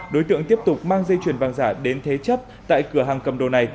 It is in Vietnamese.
đối tượng tiếp tục mang dây chuyển vàng giả đến thế chấp tại cửa hàng cầm đồ này